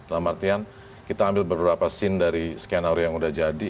maksudnya kita ambil beberapa scene dari skenario yang udah jadi